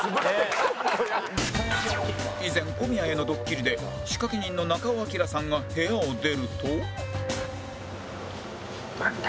以前小宮へのドッキリで仕掛人の中尾彬さんが部屋を出ると